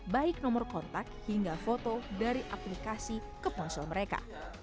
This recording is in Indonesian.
baik nomor kontak hingga foto dari aplikasi ke ponsel mereka